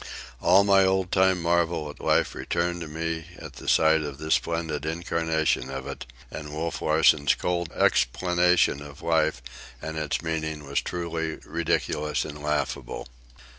All my old time marvel at life returned to me at sight of this splendid incarnation of it, and Wolf Larsen's cold explanation of life and its meaning was truly ridiculous and laughable.